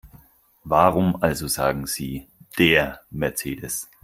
Warum also sagen Sie DER Mercedes?